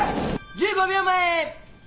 １５秒前。